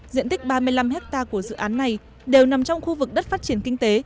diện tích ba mươi năm hectare của dự án này đều nằm trong khu vực đất phát triển kinh tế